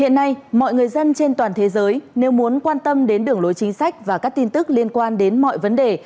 hiện nay mọi người dân trên toàn thế giới nếu muốn quan tâm đến đường lối chính sách và các tin tức liên quan đến mọi vấn đề